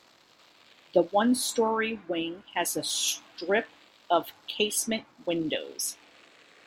The one story wing has a strip of casement windows.